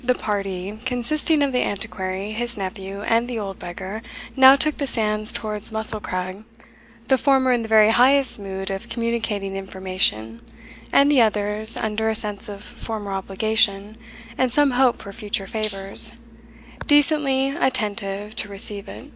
The party, consisting of the Antiquary, his nephew, and the old beggar, now took the sands towards Mussel crag the former in the very highest mood of communicating information, and the others, under a sense of former obligation, and some hope for future favours, decently attentive to receive it.